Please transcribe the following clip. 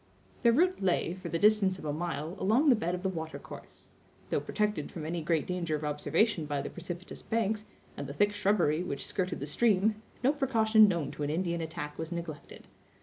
Their route lay, for the distance of a mile, along the bed of the water course. Though protected from any great danger of observation by the precipitous banks, and the thick shrubbery which skirted the stream, no precaution known to an Indian attack was neglected.